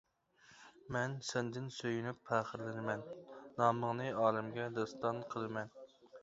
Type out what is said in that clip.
مەن سەندىن سۆيۈنۈپ پەخىرلىنىمەن، نامىڭنى ئالەمگە داستان قىلىمەن.